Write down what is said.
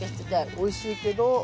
おいしいけど。